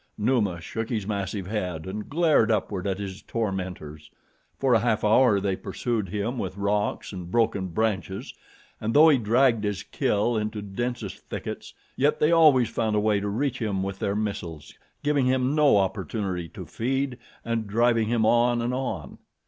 Numa shook his massive head and glared upward at his tormentors. For a half hour they pursued him with rocks and broken branches, and though he dragged his kill into densest thickets, yet they always found a way to reach him with their missiles, giving him no opportunity to feed, and driving him on and on.